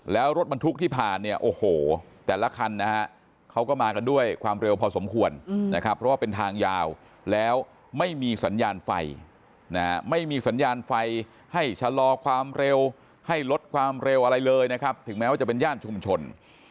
แล้วรถบรรทุกที่ผ่านเนี่ยโอ้โหแต่ละคันนะฮะเขาก็มากันด้วยความเร็วพอสมควรนะครับเพราะว่าเป็นทางยาวแล้วไม่มีสัญญาณไฟไม่มีสัญญาณไฟให้ชะลอความเร็วให้ลดความเร็วอะไรเลยนะครับถึงแม้ว่าจะเป็นย่านชุมชน